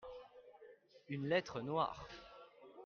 une lettre noire.